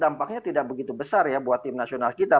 dampaknya tidak begitu besar ya buat tim nasional kita